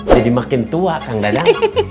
jadi makin tua kang dadang